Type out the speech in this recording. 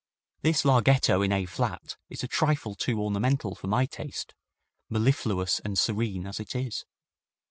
This larghetto in A flat is a trifle too ornamental for my taste, mellifluous and serene as it is.